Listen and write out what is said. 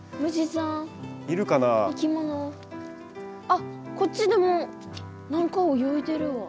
あっこっちでも何か泳いでるわ。